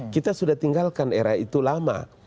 kita sudah tinggalkan era itu lama